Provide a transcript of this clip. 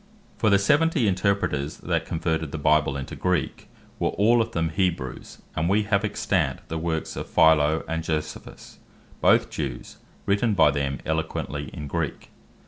For the seventy Interpreters that converted the Bible into Greek, were all of them Hebrews; and we have extant the works of Philo and Josephus both Jews, written by them eloquently in Greek.